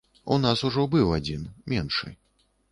У нас ужо быў адзін, меншы.